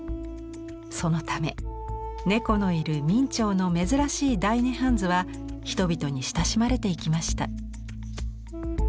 そのため猫のいる明兆の珍しい「大涅槃図」は人々に親しまれていきました。